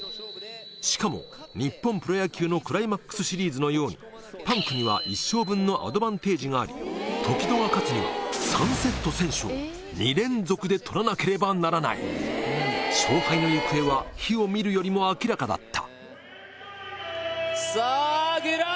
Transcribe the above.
しかも日本プロ野球のクライマックスシリーズのようにＰＵＮＫには１勝分のアドバンテージがありときどが勝つには３セット先取を２連続で取らなければならない勝敗の行方は火を見るよりも明らかだった